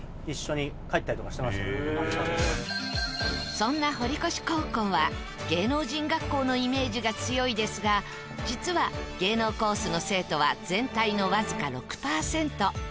そんな堀越高校は芸能人学校のイメージが強いですが実は芸能コースの生徒は全体のわずか６パーセント。